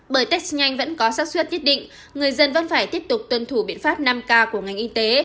bởi test nhanh vẫn có sắc xuất nhất định người dân vẫn phải tiếp tục tuân thủ biện pháp năm k của ngành y tế